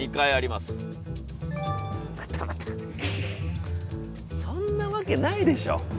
またまたそんなわけないでしょ